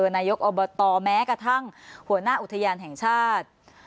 นายกอบตแม้กระทั่งหัวหน้าอุทยานแห่งชาติ